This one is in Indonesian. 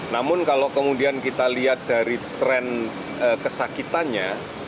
namun kalau kemudian kita lihat dari tren kesakitannya